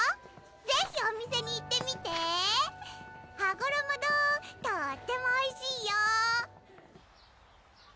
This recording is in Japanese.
ぜひお店に行ってみて！はごろも堂とーってもおいしいよ‼